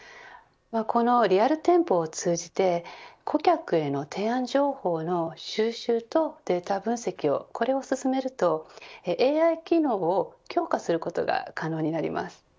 このリアル店舗を通じて顧客への提案情報の収集とデータ分析を、これを進めるとＡＩ機能を強化することが可能になります。